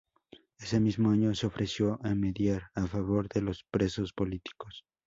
Ese mismo año se ofreció a mediar "a favor de los presos políticos".